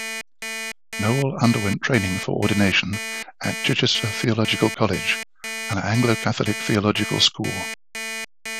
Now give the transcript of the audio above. Noel underwent training for ordination at Chichester Theological College, an Anglo-Catholic theological school.